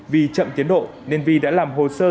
vì chậm tiến độ nên vi đã làm hồ sơ